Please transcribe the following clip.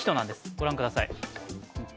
ご覧ください。